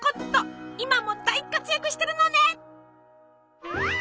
今も大活躍してるのね！